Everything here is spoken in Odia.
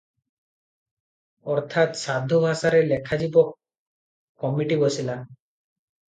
ଅର୍ଥାତ୍ ସାଧୁ ଭାଷାରେ ଲେଖା ଯିବ, କମିଟି ବସିଲା ।